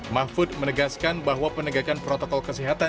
mahfud menegaskan bahwa penegakan protokol kesehatan